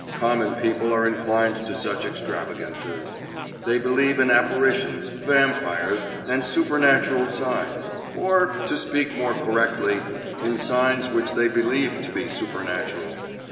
Common people are inclined to such extravagances. They believe in apparitions, vampires, and supernatural signs, or, to speak more correctly, in signs which they believe to be supernatural.